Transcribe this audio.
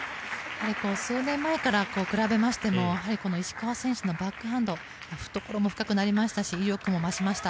数年前から比べましてもやはり石川選手のバックハンド懐も深くなりましたし威力も増しました。